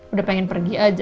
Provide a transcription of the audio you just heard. udah pengen pergi aja